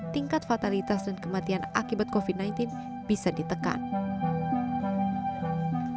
tingkat fatalitas dan kematian akibat covid sembilan belas bisa ditekan